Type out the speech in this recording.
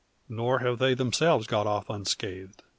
Nor have they themselves got off unscathed.